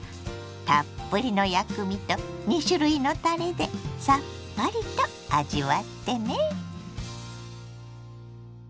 たっぷりの薬味と２種類のたれでさっぱりと味わってね。